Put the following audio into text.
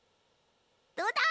どうだ！？